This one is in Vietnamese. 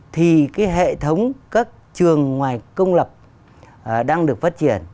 thì cái hệ thống các trường ngoài công lập đang được phát triển